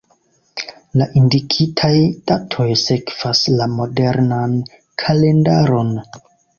La indikitaj datoj sekvas la modernan kalendaron.